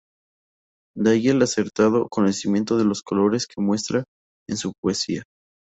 De ahí el acertado conocimiento de los colores que muestra en su poesía.